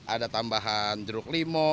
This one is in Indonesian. ada tambahan jeruk limau